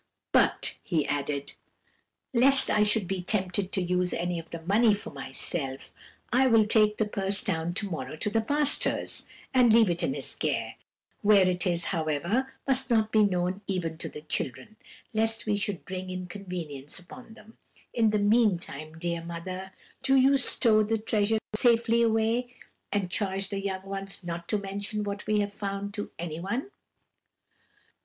"'But,' he added, 'lest I should be tempted to use any of the money for myself, I will take the purse down to morrow to the pastor's, and leave it in his care. Where it is, however, must not be known even to the children, lest we should bring inconvenience upon him. In the meantime, dear mother, do you stow the treasure safely away, and charge the young ones not to mention what we have found to anyone.'